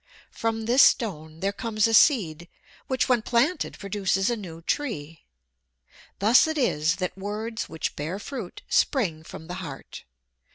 From this stone there comes a seed which when planted produces a new tree. Thus it is that words which bear fruit spring from the heart.